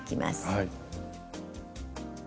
はい。